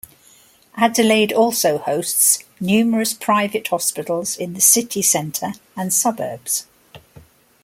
Adelaide also hosts numerous private hospitals in the city centre and suburbs.